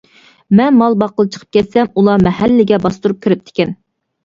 -مەن مال باققىلى چىقىپ كەتسەم، ئۇلار مەھەللىگە باستۇرۇپ كىرىپتىكەن.